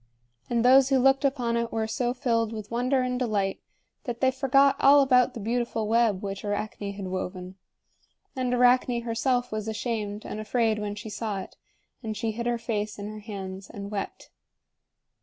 And those who looked upon it were so filled with wonder and delight, that they forgot all about the beautiful web which Arachne had woven. And Arachne herself was ashamed and afraid when she saw it; and she hid her face in her hands and wept.